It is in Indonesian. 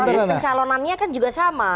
proses pencalonannya kan juga sama